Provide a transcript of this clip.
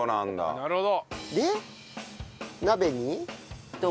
なるほど。